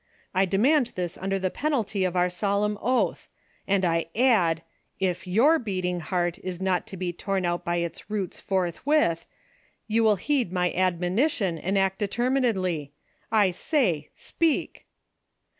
I demand this under the penalty of our solemn oath ; and I add, ' if yoxir beating heart ' is not to be torn out by its roots forthwith, you will heed my admo nition and act determinedly ! I say, speak